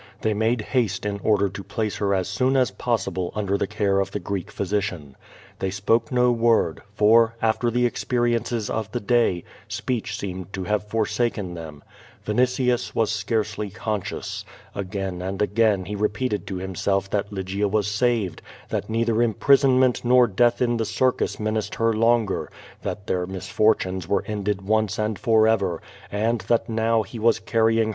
They made haste in order to place her as soon as possible under the care of the Greek physician. They spoke no word, for, after the experiences of the day, speech seemed to have forsaken them. Vinitini) was scarcely conscious. Again and again he repeated to him self that Lygia was saved, that neither imprisonment nor death in the circus menaced her longer, that their misfortunes were ended once and forever, and that now he was carrying QUO VADI8.